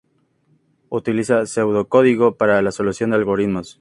Utiliza pseudocódigo para la solución de algoritmos.